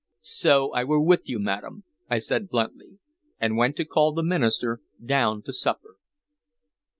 "So I were with you, madam," I said bluntly, and went to call the minister down to supper.